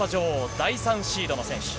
第３シードの選手。